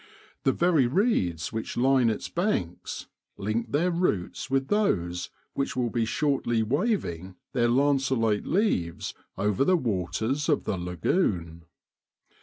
The very reeds which line its banks link their roots with those which will be shortly wav ing their lanceolate leaves over the waters of the lagoon.